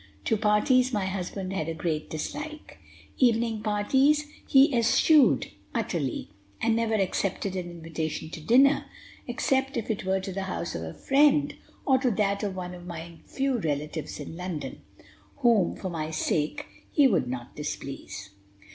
To parties my husband had a great dislike; evening parties he eschewed utterly, and never accepted an invitation to dinner, except it were to the house of a friend, or to that of one of my few relatives in London, whom, for my sake, he would not displease.